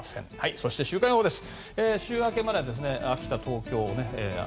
そして、週間予報です。